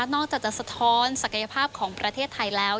อกจากจะสะท้อนศักยภาพของประเทศไทยแล้ว